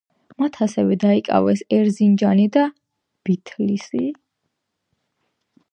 მათ ასევე დაიკავეს ერზინჯანი და ბითლისი.